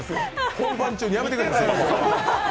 本番中にやめてくださいよ。